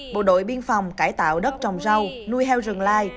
bộ đội biên phòng cải tạo đất trồng rau nuôi heo rừng lai